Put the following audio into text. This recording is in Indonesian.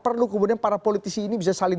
perlu kemudian para politisi ini bisa saling